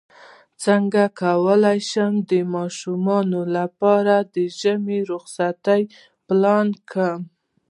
څنګه کولی شم د ماشومانو لپاره د ژمی رخصتۍ پلان کړم